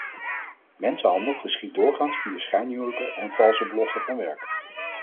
Mensenhandel geschiedt doorgaans via schijnhuwelijken en valse beloften van werk.